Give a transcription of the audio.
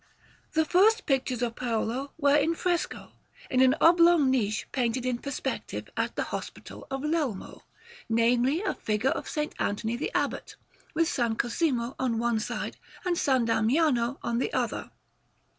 ] The first pictures of Paolo were in fresco, in an oblong niche painted in perspective, at the Hospital of Lelmo namely, a figure of S. Anthony the Abbot, with S. Cosimo on one side and S. Damiano on the other.